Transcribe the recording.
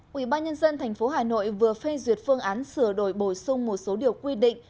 quỹ ba nhân dân tp hà nội vừa phê duyệt phương án sửa đổi bổ sung một số điều quy định